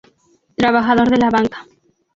Trabajador de la banca.